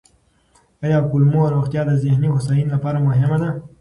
آیا کولمو روغتیا د ذهني هوساینې لپاره مهمه ده؟